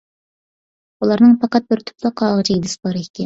ئۇلارنىڭ پەقەت بىر تۈپلا قاغا جىگدىسى بار ئىكەن.